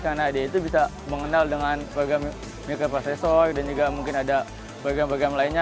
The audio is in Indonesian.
karena dia itu bisa mengenal dengan program mikroprosesor dan juga mungkin ada program program lainnya